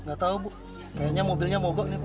nggak tahu bu kayaknya mobilnya mogok ya pak